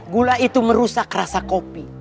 gula itu merusak rasa kopi